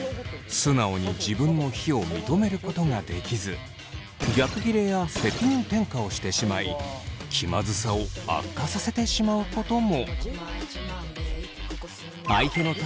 素直に自分の非を認めることができず逆ギレや責任転嫁をしてしまい気まずさを悪化させてしまうことも。